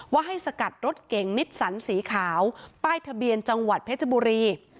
ว่าให้สกัดรถเก่งนิสสันสีขาวป้ายทะเบียนจังหวัดเพชรบุรี